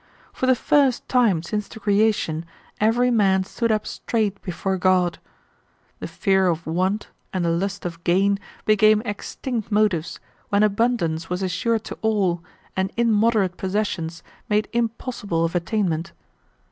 For the first time since the creation every man stood up straight before God. The fear of want and the lust of gain became extinct motives when abundance was assured to all and immoderate possessions made impossible of attainment.